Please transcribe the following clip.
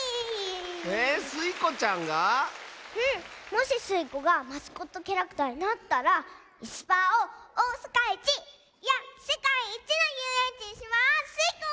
もしスイ子がマスコットキャラクターになったらいすパーをおおさかいちいやせかいいちのゆうえんちにしまスイ子！